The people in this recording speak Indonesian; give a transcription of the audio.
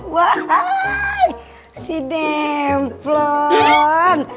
wahai si demplon